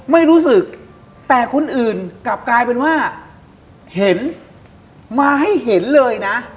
ไม่รู้สึกแต่คนอื่นกลับกลายเป็นว่าเห็นมาให้เห็นเลยนะ